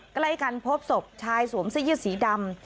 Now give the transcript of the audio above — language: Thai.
ใกล้กันพบศพชายสวมเสื้อยืดสีดำ